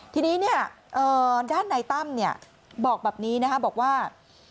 ทีนี้เนี่ยด้านนายตั้มเนี่ยบอกแบบนี้นะคะบอกว่า